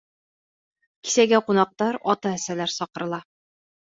Кисәгә ҡунаҡтар, ата-әсәләр саҡырыла.